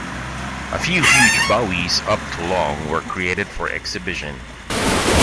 A few huge Bowies up to long were created for exhibition.